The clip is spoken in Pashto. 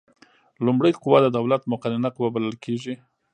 لومړۍ قوه د دولت مقننه قوه بلل کیږي.